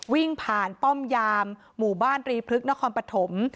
วิ่งผ่านป้อมยามหมู่บ้านตรีพลึกนครปฐม